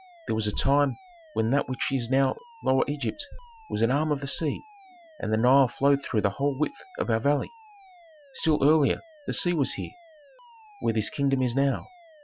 There was a time when that which is now Lower Egypt was an arm of the sea, and the Nile flowed through the whole width of our valley. Still earlier the sea was here, where this kingdom is now.